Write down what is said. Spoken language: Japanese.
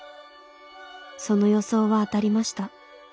その予想は当たりました。